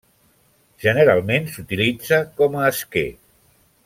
Generalment s'utilitza com a esquer.